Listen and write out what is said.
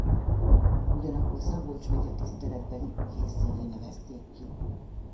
Ugyanakkor Szabolcs megye tiszteletbeli ügyészévé nevezték ki.